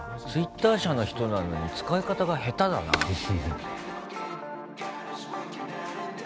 ツイッター社の人なのに使い方が下手だなぁ。